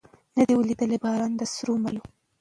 نه دي ولیدی باران د سرو مرمیو